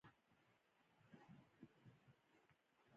موږ د بري مېوه له لاسه ورکړه، ډګرمن و پوښتل.